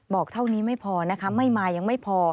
เท่านี้ไม่พอนะคะไม่มายังไม่พอ